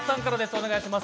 お願いします。